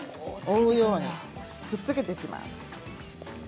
覆うようにしてくっつけていきます。